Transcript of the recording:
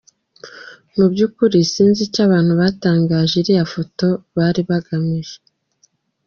Mu by’ukuri sinzi icyo abantu batangaje iriya foto bari bagamije.